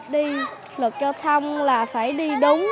đi luật giao thông là phải đi đúng